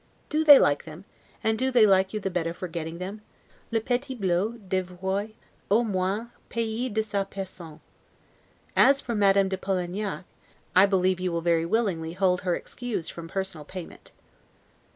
Do they like them; and do they like you the better for getting them? 'Le petite Blot devroit au moins payer de sa personne'. As for Madame de Polignac, I believe you will very willingly hold her excused from personal payment.